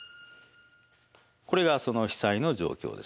これがその被災の状況ですね。